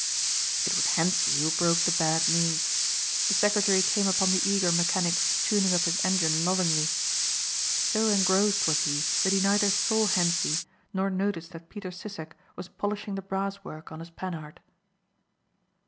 It was Hentzi who broke the bad news. The secretary came upon the eager mechanic tuning up his engine lovingly. So engrossed was he that he neither saw Hentzi nor noticed that Peter Sissek was polishing the brass work on his Panhard.